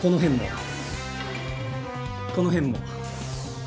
この辺も。